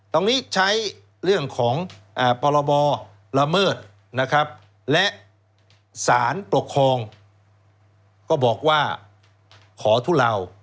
ตรงนี้ใช้เรื่องของพรบละเมิดนะครับและสารปกครองก็บอกว่าขอทุเลา